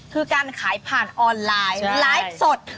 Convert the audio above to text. คือการขายผ่านออนไลน์ไลฟ์สด